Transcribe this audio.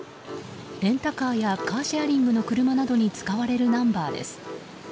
レンタカーやカーシェアリングの車などに使われるナンバーです。